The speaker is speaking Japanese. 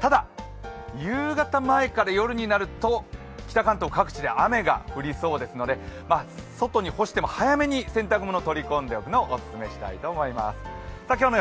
ただ夕方前から夜になると北関東各地で雨が降りそうですので、外に干しても早めに洗濯物、取り込んでおくのをお勧めします。